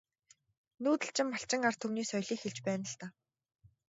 Нүүдэлчин малчин ард түмний соёлыг хэлж байна л даа.